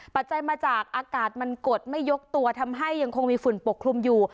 ปัจจัยมาจากอากาศมันกดไม่ยกตัวทำให้ยังคงมีฝุ่นปกคลุมอยู่